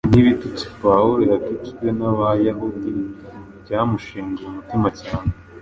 n’ibitutsi Pawulo yatutswe n’Abayahudi byamushenguye umutima cyane.